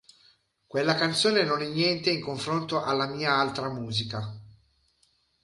Quella canzone non è niente in confronto alla mia altra musica.